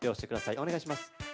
お願いします。